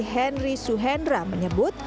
henry suhenra menyebut